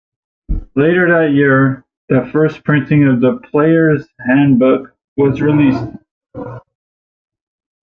Later that year, the first printing of the "Players Handbook" was released.